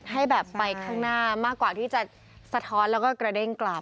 ให้แบบไปข้างหน้ามากกว่าที่จะสะท้อนแล้วก็กระเด้งกลับ